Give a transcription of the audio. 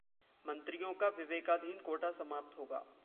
मंत्रियों का विवेकाधीन कोटा समाप्त होगा